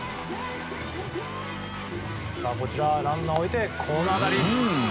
ランナーを置いて、この当たり。